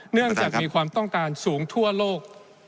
เนื่องจากมีความต้องการสูงทั่วโลก